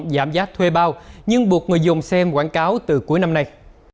giảm giá thuê bao nhưng buộc người dùng xem quảng cáo từ cuối năm nay